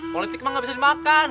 politik emang gak bisa dimakan